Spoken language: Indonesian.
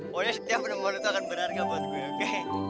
pokoknya setiap penemuan itu akan berharga buat gue oke